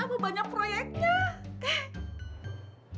abah banyak proyeknya teh